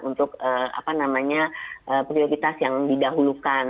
untuk apa namanya prioritas yang didahulukan